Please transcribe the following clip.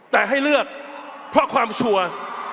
แต่ให้เลือกเพราะความชัวร์